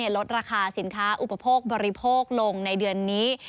ลดราคาสินค้าอุปโภคบริโภคลงในเดือนนี้